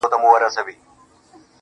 خلکو لمر سپوږمۍ د ده قدرت بللای -